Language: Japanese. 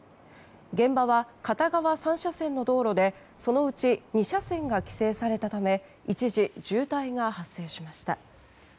現場は片側３車線の道路でそのうち２車線が規制されたため一時、渋滞が発生しました。